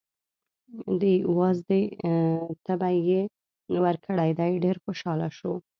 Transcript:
د وازدې تبی یې ورکړی دی، ډېر خوشحاله شو.